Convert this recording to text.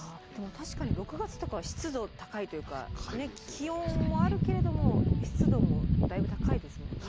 確かに６月とかは湿度高いというか気温もあるけれども湿度もだいぶ高いですもんね。